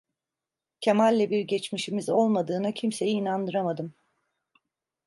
Kemal'le bir geçmişimiz olmadığına kimseyi inandıramadım.